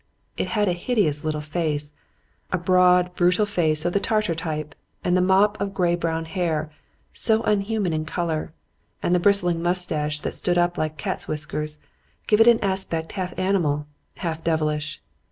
It had a hideous little face; a broad, brutal face of the Tartar type; and the mop of gray brown hair, so unhuman in color, and the bristling mustache that stood up like a cat's whiskers, gave it an aspect half animal, half devilish.